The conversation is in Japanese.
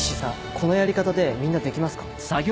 このやり方でみんなできますか？